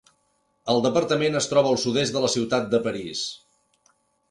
El departament es troba al sud-est de la ciutat de París.